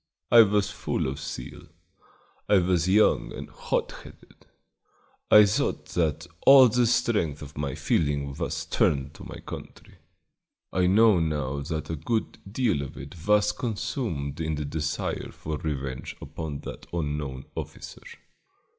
I was full of zeal; I was young and hot headed; I thought that all the strength of my feeling was turned to my country. I know now that a good deal of it was consumed in the desire for revenge upon that unknown officer.